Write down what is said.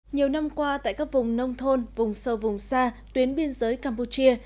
nhiều năm qua tại các vùng nông thôn vùng sâu vùng xa tuyến biên giới campuchia